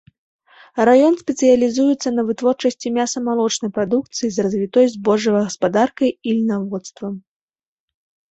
Раён спецыялізуецца на вытворчасці мяса-малочнай прадукцыі з развітой збожжавай гаспадаркай і льнаводствам.